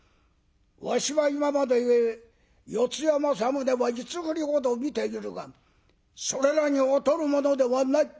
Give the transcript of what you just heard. わしは今まで四谷正宗は五振りほど見ているがそれらに劣るものではない。